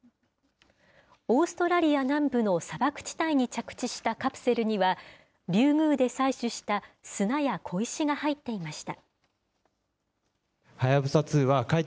オーストラリア南部の砂漠地帯に着地したカプセルには、リュウグウで採取した砂や小石が入っていました。